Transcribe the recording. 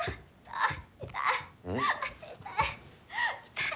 痛い。